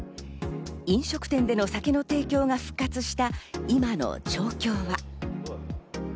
飲食店での酒の提供が復活した今の状況は。